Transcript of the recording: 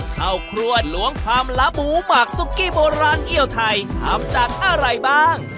ข้าวครัวล้วงคำล้าหมูหมักซุกกี้โบราณเอี่ยวไทยทำจากอะไรบ้าง